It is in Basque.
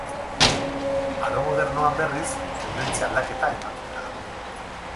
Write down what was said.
Aro modernoan berriz tendentzia aldaketa ematen da.